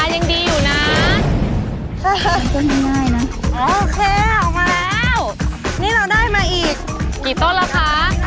เดีี้ยวน้าโอเคออกมาแล้วนี่เราได้มาอีกกี่ต้นล่ะคะ